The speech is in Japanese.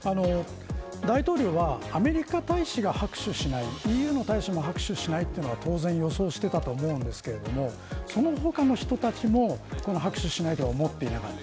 大統領はアメリカ大使が拍手しないＥＵの大使が拍手しないのは当然、予想していたと思うんですけどその他の人たちも拍手しないとは思っていなかった。